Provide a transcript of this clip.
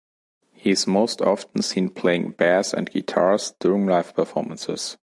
He is most often seen playing bass and guitars during live performances.